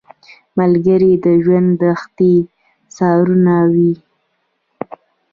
ملګری د ژوند د کښتۍ سارنوی وي